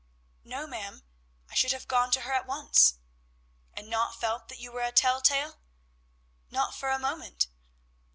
"No, ma'am; I should have gone to her at once." "And not felt that you were a tell tale?" "Not for a moment."